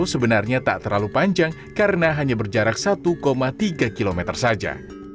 sebenarnya tak terlalu panjang karena hanya berjarak satu tiga km saja